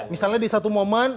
misalnya di satu momen